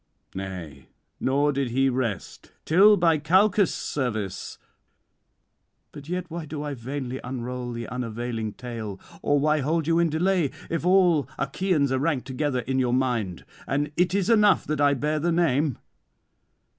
Nay, nor did he rest, till by Calchas' service but yet why do I vainly unroll the unavailing tale, or why hold you in delay, if all Achaeans are ranked together in your mind, and it is enough that I bear the name?